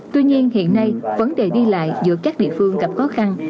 tuy nhiên hiện nay vấn đề đi lại giữa các địa phương gặp khó khăn